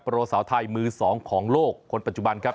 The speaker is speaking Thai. โรสาวไทยมือ๒ของโลกคนปัจจุบันครับ